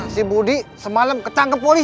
si budi semalem ketangkap polisi